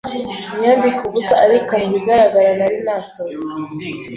niyambike ubusa ariko mu bigaragara nari narasaze